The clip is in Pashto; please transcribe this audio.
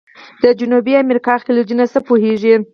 د جنوبي امریکا خلیجونه څه پوهیږئ؟